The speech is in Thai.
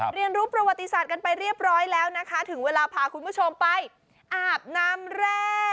เรียนรู้ประวัติศาสตร์กันไปเรียบร้อยแล้วนะคะถึงเวลาพาคุณผู้ชมไปอาบน้ำแร่